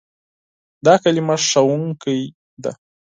دا کلمه "ښوونکی" ده.